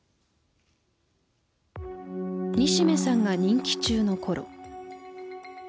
西銘さんが任期中の頃。